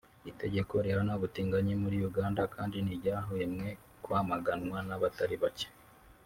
Itegeko rihana ubutinganyi muri Uganda kandi ntiryahwemye kwamaganwa n’abatari bake